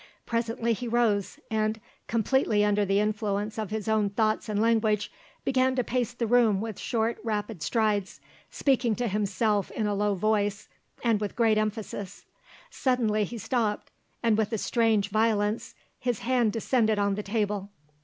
Presently he rose, and, completely under the influence of his own thoughts and language, began to pace the room with short rapid strides, speaking to himself in a low voice and with great emphasis. Suddenly he stopped, and with a strange violence his hand descended on the table.